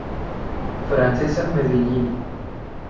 Francesa, Medellín.